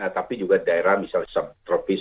tapi juga daerah misalnya tropis